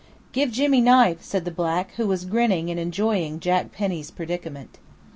"Give Jimmy knife," said the black, who was grinning and enjoying Jack Penny's predicament.